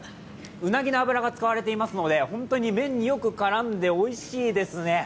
鰻の脂が使われていますので本当に麺によく絡んでおいしいですね。